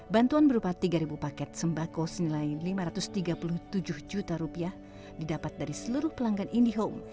bantuan berupa tiga paket sembako senilai lima ratus tiga puluh tujuh juta rupiah didapat dari seluruh pelanggan indihome